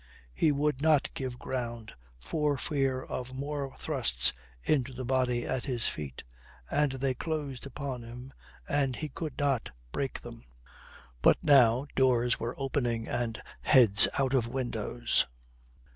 He would not give ground for fear of more thrusts into the body at his feet, and they closed upon him and he could not break them. But now doors were opening and heads out of windows.